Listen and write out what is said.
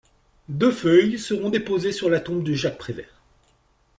Deux feuilles seront déposées sur la tombe de Jacques Prévert.